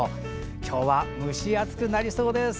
今日は蒸し暑くなりそうです。